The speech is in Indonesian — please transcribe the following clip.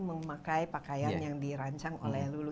memakai pakaian yang dirancang oleh lulu